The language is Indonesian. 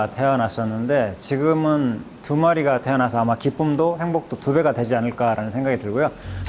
ternyata nge rap ciumun tumari kata nasa maki pembawa yang buntu tuker gajah nge rap